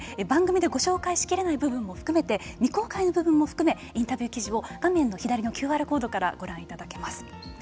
番組でご紹介し切れない部分も含めて未公開の部分も含めインタビュー記事を画面の左のＱＲコードからご覧いただけます。